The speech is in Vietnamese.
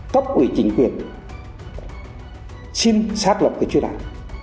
cấp ủy chính quyền xin xác lập cái chuyện này